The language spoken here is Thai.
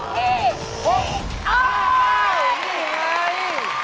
อ๋อนี่ไง